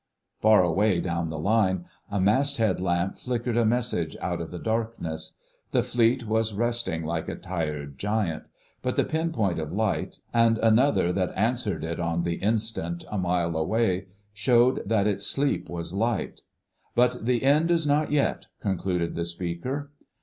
Far away down the line a mast head lamp flickered a message out of the darkness. The Fleet was resting like a tired giant; but the pin point of light, and another that answered it on the instant a mile away, showed that its sleep was light. "But the end is not yet," concluded the speaker.